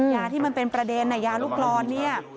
ยาที่มันเป็นประเด็นยาลูกร้อนเนี่ย